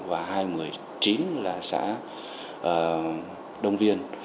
và hai nghìn một mươi chín là xã đông viên